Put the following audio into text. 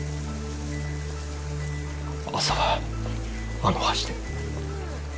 朝はあの橋で。